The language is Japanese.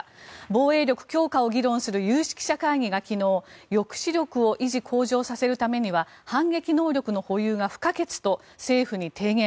防衛力強化を議論する有識者会議が昨日抑止力を維持・向上させるためには反撃能力の保有が不可欠と政府に提言。